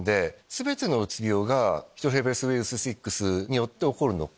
全てのうつ病がヒトヘルペスウイルス６によって起こるのか。